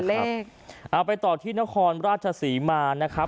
เอาไปต่อที่ณครราชศรีมา